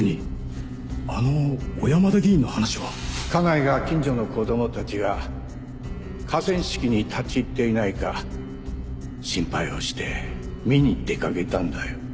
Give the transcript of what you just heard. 家内が近所の子供たちが河川敷に立ち入っていないか心配をして見に出かけたんだよ。